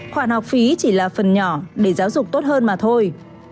khoản học phí chỉ là phần nhỏ để giáo dục tốt hơn mà thôi